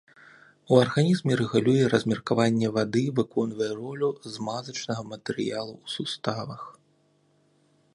У арганізме рэгулюе размеркаванне вады, выконвае ролю змазачнага матэрыялу ў суставах.